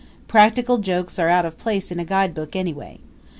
Practical jokes are out of place in a guidebook anyway.